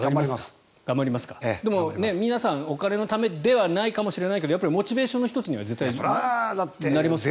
頑張りますか、でも皆さんお金のためではないかもしれないですがモチベーションの１つにはなりますよね。